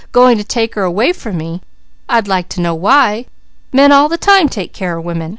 Going to take her away from me? I'd like to know why? Men all the time take care of women.